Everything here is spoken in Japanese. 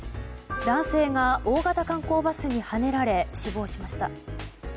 男性が大型観光バスにはねられ死亡しました。